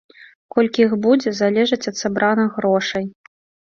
Колькі іх будзе, залежыць ад сабраных грошай.